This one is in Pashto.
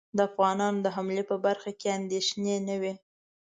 د افغانانو د حملې په برخه کې اندېښنې نه وې.